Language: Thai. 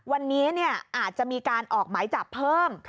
วันนี้เนี่ยอาจจะมีการออกไหมจับเพิ่ม